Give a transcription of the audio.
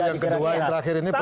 yang kedua yang terakhir ini